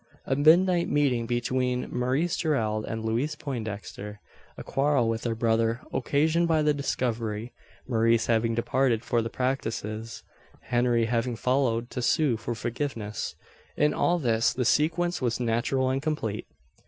A midnight meeting between Maurice Gerald and Louise Poindexter a quarrel with her brother, occasioned by the discovery Maurice having departed for the prairies Henry having followed to sue for forgiveness in all this the sequence was natural and complete.